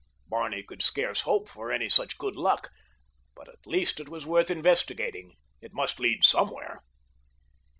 Barney could scarce hope for any such good luck, but at least it was worth investigating—it must lead somewhere.